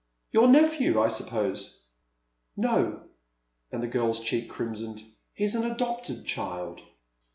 " Your nephew, I suppose ?" "No," and the girl's cheek crimsoned, "he's an adopted child."